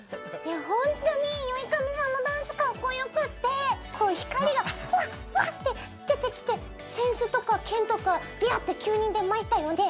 ホントにｙｏｉｋａｍｉさんのダンスかっこよくてこう光がフワッフワッて出てきて扇子とか剣とかビャッて急に出ましたよね。